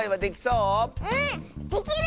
うんできる！